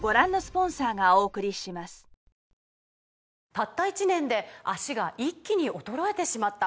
「たった１年で脚が一気に衰えてしまった」